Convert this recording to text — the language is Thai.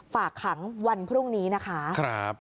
ฝากขังวันพรุ่งนี้นะคะ